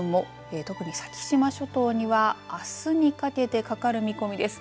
特に先島諸島にはあすにかけてかかる見込みです。